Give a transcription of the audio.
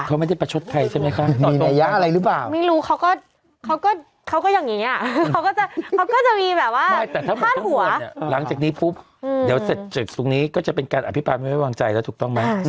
เขาไม่ได้ประชดไทยใช่มั้ยคะ